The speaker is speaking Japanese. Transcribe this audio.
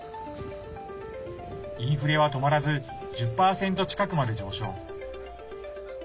インフレは止まらず１０％近くまで上昇。